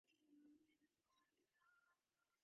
ސަރވަރ ރޫމް ކަރަންޓު މައްސަލަ ޙައްލުކުރުން